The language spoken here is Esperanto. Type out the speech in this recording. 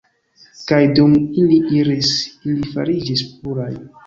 Kaj dum ili iris, ili fariĝis puraj.